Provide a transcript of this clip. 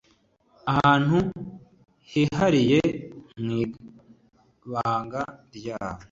ahantu hihariye mwibanga ryabo